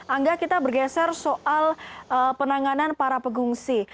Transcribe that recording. angga kita bergeser soal penanganan para pengungsi